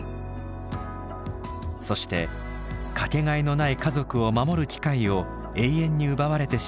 そしてかけがえのない家族を守る機会を永遠に奪われてしまったという事実。